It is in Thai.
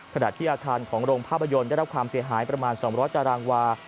ขณะที่อาคารของโรงภาพยนตร์ได้รับความเสียหายประมาณ๒๐๐ตารางวา